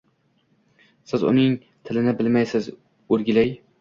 Siz uning tilini bilmaysiz, o‘rgilay!